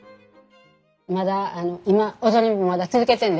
まだ今踊りもまだ続けてるんですねんね。